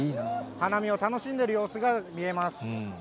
花見を楽しんでいる様子が見えます。